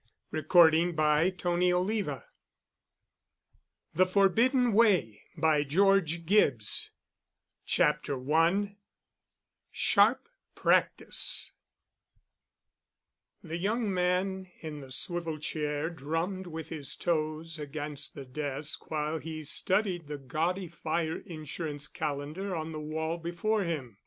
Household Gods—and Goddesses *THE FORBIDDEN WAY* *CHAPTER I* *SHARP PRACTICE* The young man in the swivel chair drummed with his toes against the desk, while he studied the gaudy fire insurance calendar on the wall before him.